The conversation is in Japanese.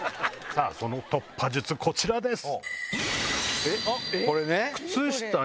その突破術こちらです。